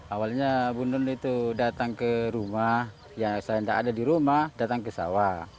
awalnya bu nun itu datang ke rumah ya saya tidak ada di rumah datang ke sawah